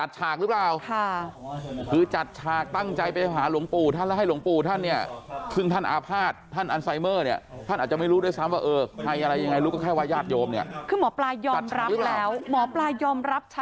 จัดฉากรึเปล่าค่ะ